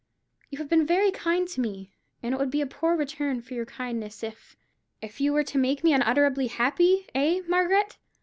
You have been very kind to me; and it would be a poor return for your kindness, if——" "If you were to make me unutterably happy, eh, Margaret?